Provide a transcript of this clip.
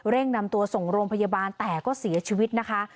นำตัวส่งโรงพยาบาลแต่ก็เสียชีวิตนะคะ